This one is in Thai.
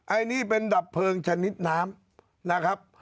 อันนี้เป็นดับเพลิงชนิดน้ำนะครับ